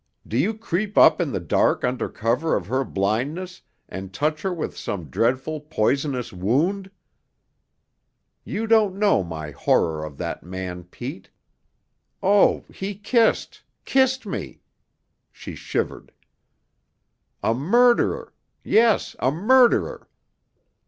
Do you creep up in the dark under cover of her blindness and touch her with some dreadful, poisonous wound? You don't know my horror of that man, Pete. Oh, he kissed kissed me!" She shivered. "A murderer! Yes, a murderer.